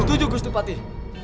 tujuh gusti patih